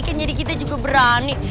kan jadi kita juga berani